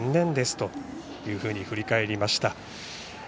そこが残念ですというふうに振り返りました。